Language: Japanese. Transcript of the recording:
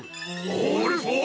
オールフォー。